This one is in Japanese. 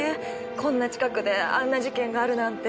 こんな近くであんな事件があるなんて。